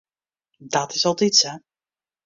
Dat is altyd sa.